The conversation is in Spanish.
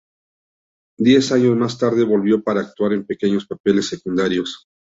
Diez años más tarde, volvió para actuar en pequeños papeles secundarios.